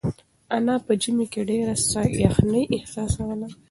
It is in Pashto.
انا په ژمي کې ډېره یخنۍ احساسوله.